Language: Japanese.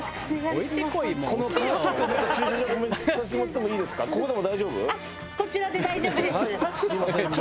ここでも大丈夫？